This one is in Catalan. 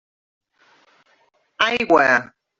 Aigua!